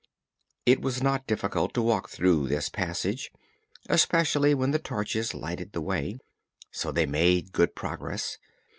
It was not difficult to walk through this passage, especially when the torches lighted the way, so they made good progress.